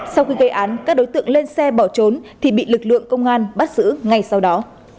sau khi gây án các đối tượng lên xe bỏ trốn thì bị lực lượng công an bắt giữ ngay sau đó